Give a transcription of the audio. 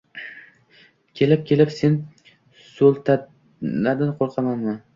– Kelib-kelib, sen so‘ltamatdan qo‘rqamanmi?